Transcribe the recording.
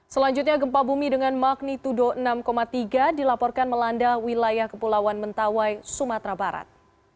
selanjutnya gempa bumi dengan magnitudo enam tiga dilaporkan melanda wilayah kepulauan mentawai sumatera barat